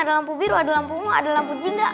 ada lampu biru ada lampu mua ada lampu jingga